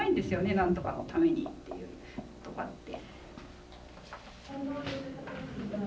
「何とかのために」っていう言葉って。